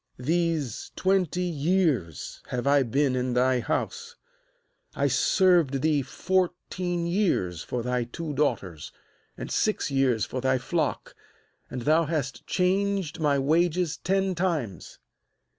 41These twenty years have I been in thy house: I served thee fourteen years for thy two daugh ters, and six years for thy flock; and thou hast changed my wages ten tunes.